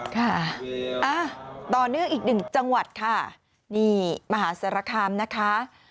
ค่ะต่อเนื่องอีกหนึ่งจังหวัดค่ะนี่มหาสารคามนะคะ